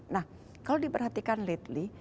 nah kalau diperhatikan lately